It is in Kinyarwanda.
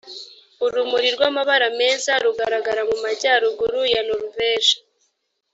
urumuri rw amabara meza rugaragara mu majyaruguru ya noruveje